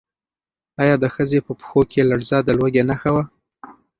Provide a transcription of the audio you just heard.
ایا د ښځې په پښو کې لړزه د لوږې نښه وه؟